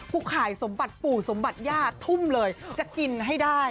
ขายสมบัติปู่สมบัติย่าทุ่มเลยจะกินให้ได้